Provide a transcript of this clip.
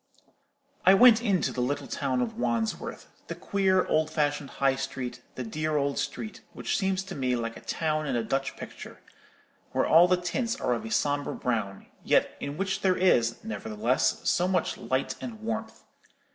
"I went into the little town of Wandsworth, the queer old fashioned High Street, the dear old street, which seems to me like a town in a Dutch picture, where all the tints are of a sombre brown, yet in which there is, nevertheless, so much light and warmth.